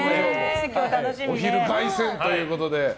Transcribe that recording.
お昼凱旋ということで。